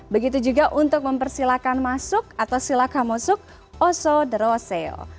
begitu juga untuk mempersilahkan maksudnya